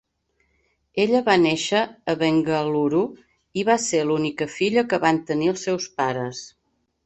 Ella va néixer a Bengaluru i va ser l'única filla que van tenir els seus pares.